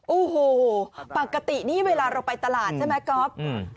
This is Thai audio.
โอ้โหปกตินี่เวลาเราไปตลาดใช่ไหมก๊อฟอืม